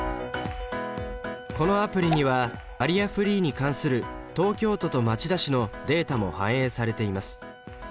このアプリにはバリアフリーに関する東京都と町田市のデータも反映されています。